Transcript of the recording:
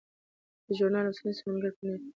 د ژورنال اوسنی سمونګر برینټ هیز اډوارډز دی.